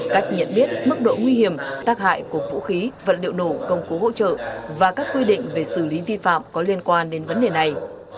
cách nhận biết mức độ nguy hiểm tác hại của vũ khí vật liệu nổ công cụ hỗ trợ và các quy định về xử lý vi phạm có liên quan đến vấn đề này